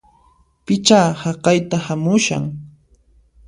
Pichá haqayta hamushan!